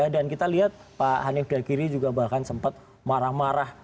dan kita lihat pak hanif dalkiri juga bahkan sempat marah marah